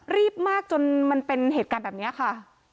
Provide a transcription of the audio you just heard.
รีบมากจนมันเป็นเหตุการณ์แบบนี้ค่ะ